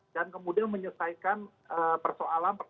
dan kemudian menyelesaikan persoalan persoalan teknis